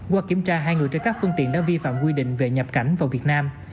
qua kiểm tra hai người trên các phương tiện đã vi phạm quy định về nhập cảnh vào việt nam